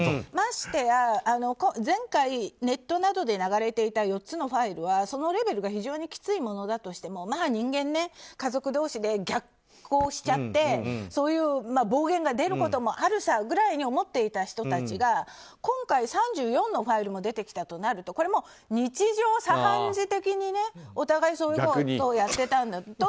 ましてや、前回ネットなどで流れていた４つのファイルは、そのレベルが非常にきついものだとしてもまあ人間、家族同士で激高しちゃってそういう暴言が出ることもあるさくらいに思っていた人たちが今回３４のファイルも出てきたとなるとこれも日常茶飯事的にそういうことをやっていたんだと。